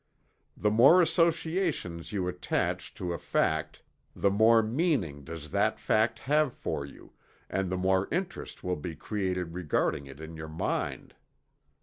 The more associations you attach to a fact, the more "meaning" does that fact have for you, and the more interest will be created regarding it in your mind.